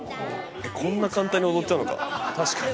こんな簡単に踊っちゃうのか。